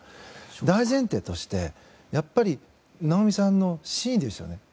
大前提として、やっぱりなおみさんの真意ですよね。